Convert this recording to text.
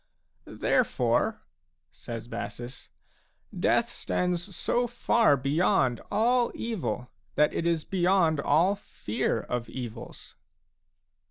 " Therefore," says Bassus, " death stands so far beyond all evil that it is beyond all fear of evils."